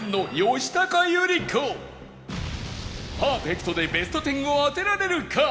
パーフェクトでベスト１０を当てられるか？